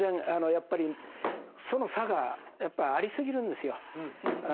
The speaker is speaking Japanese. やっぱりその差がやっぱりありすぎるんですよ。